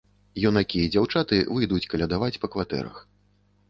Юнакі і дзяўчаты выйдуць калядаваць па кватэрах.